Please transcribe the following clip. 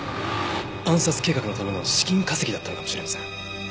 暗殺計画のための資金稼ぎだったのかもしれません。